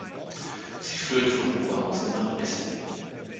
Sie führt von Oberhausen nach Essen.